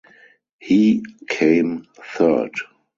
He came third.